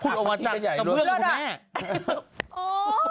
พูดลงมาจัดแล้วเบื้องอยู่แม่